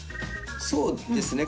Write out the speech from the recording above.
そうですね。